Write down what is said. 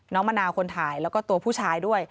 มะนาวคนถ่ายแล้วก็ตัวผู้ชายด้วย